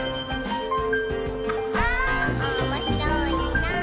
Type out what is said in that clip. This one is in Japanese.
「おもしろいなぁ」